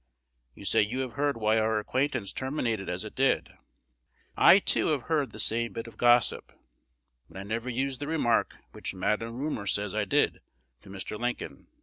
You say you have heard why our acquaintance terminated as it did. I, too, have heard the same bit of gossip; but I never used the remark which Madam Rumor says I did to Mr. Lincoln.